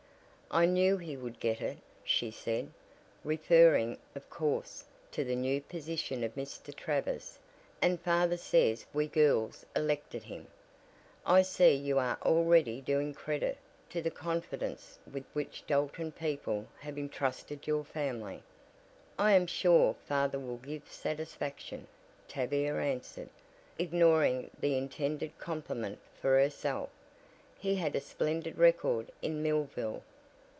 "I knew he would get it," she said, referring, of course, to the new position of Mr. Travers, "and father says we girls elected him. I see you are already doing credit to the confidence with which Dalton people have intrusted your family." "I am sure father will give satisfaction," Tavia answered, ignoring the intended compliment for herself. "He had a splendid record in Millville."